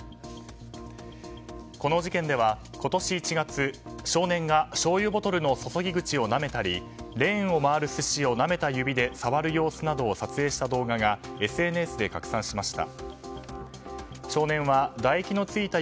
この事件では、今年１月、少年がしょうゆボトルの注ぎ口をなめたりレーンを回る寿司をなめた指で触る様子などを撮影した動画がＳＮＳで拡散しました。